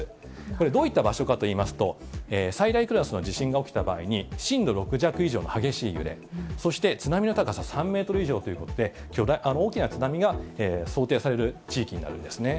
これ、どういった場所かといいますと、最大クラスの地震が起きた場合に、震度６弱以上の激しい揺れ、そして津波の高さ３メートル以上ということで、大きな津波が想定される地域になるんですね。